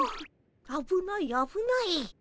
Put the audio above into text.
あぶないあぶない。